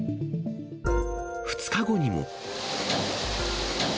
２日後にも。